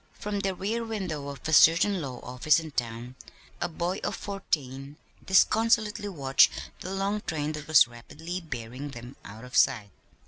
From the rear window of a certain law office in town a boy of fourteen disconsolately watched the long train that was rapidly bearing them out of sight.